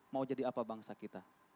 mau jadi apa bangsa kita